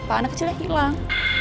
anak kecilnya hilang